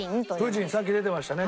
プヂンさっき出てましたね。